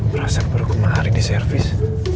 berasa berukuman hari ini servis